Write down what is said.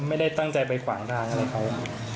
ไม่ได้ตั้งใจไปขวานกลางก็เลยค่ะ